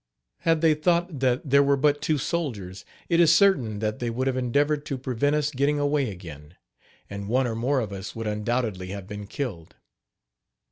Had they thought that there were but two soldiers, it is certain that they would have endeavored to prevent us getting away again, and one or more of us would undoubtedly have been killed.